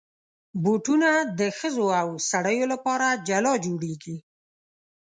بوټونه د ښځو او سړیو لپاره جلا جوړېږي.